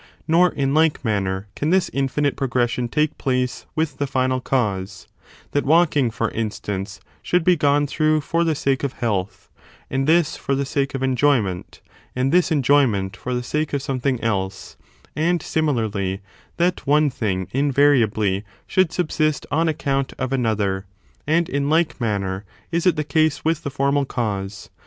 Nor, in like manner, can this infinite progression take place with the final cause, — that walking, for instance, should be gone through for the sake of health, and this for the sake of enjoyment, and this enjoyment for the sake of something else ; and, similarly, that one thing invariably should subsist on account of another. And, in like manner, is it the case with the formal cause.